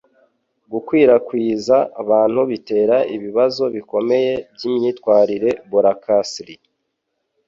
Gukwirakwiza abantu bitera ibibazo bikomeye byimyitwarire boracasli